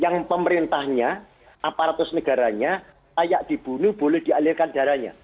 yang pemerintahnya aparatus negaranya kayak dibunuh boleh dialirkan darahnya